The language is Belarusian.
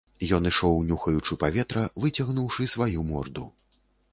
Ён ішоў, нюхаючы паветра, выцягнуўшы сваю морду.